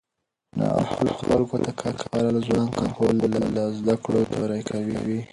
نااهلو خلکو ته کار سپارل ځوان کهول له زده کړو زړه توری کوي